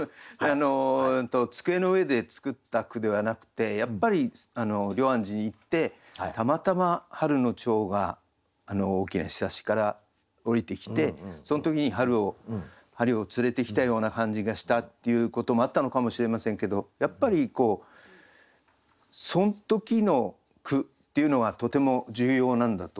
机の上で作った句ではなくてやっぱり龍安寺に行ってたまたま春の蝶が大きな庇から下りてきてそん時に春を連れてきたような感じがしたっていうこともあったのかもしれませんけどやっぱりそん時の句っていうのはとても重要なんだと思いますよね。